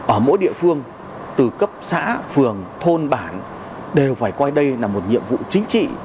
ở mỗi địa phương từ cấp xã phường thôn bản đều phải coi đây là một nhiệm vụ chính trị